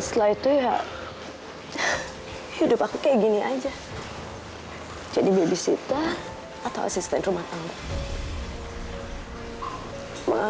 sampai jumpa di video selanjutnya